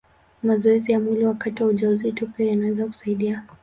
Mazoezi ya mwili wakati wa ujauzito pia yanaweza kusaidia.